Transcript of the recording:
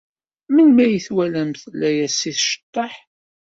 Melmi ay t-twalamt la as-iceḍḍeḥ?